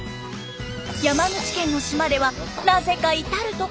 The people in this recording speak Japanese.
山口県の島ではなぜか至る所に絵が！